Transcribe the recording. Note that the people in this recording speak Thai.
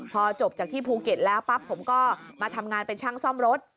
พอจบจากที่ภูเก็ตแล้วปั๊บผมก็มาทำงานเป็นช่างซ่อมรถ